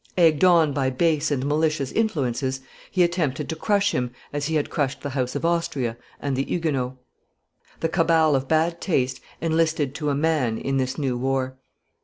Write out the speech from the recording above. Egged on by base and malicious influences, he attempted to crush him as he had crushed the house of Austria and the Huguenots. The cabal of bad taste enlisted to a man in this new war.